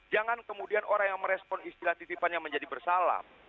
jangan kemudian orang yang merespon istilah titipannya menjadi bersalah